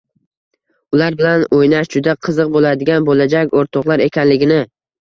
ular bilan o‘ynash juda qiziq bo‘ladigan bo‘lajak o‘rtoqlar ekanligini